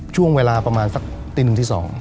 ช่วงเวลาประมาณสักตีหนึ่งที่๒